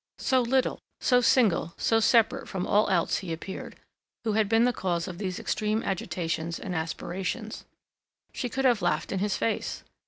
So little, so single, so separate from all else he appeared, who had been the cause of these extreme agitations and aspirations. She could have laughed in his face.